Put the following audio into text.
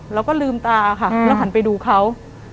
แล้วก็ลืมตาค่ะแล้วหันไปดูเขา